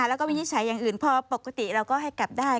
แล้วก็วินิจฉัยอย่างอื่นพอปกติเราก็ให้กลับได้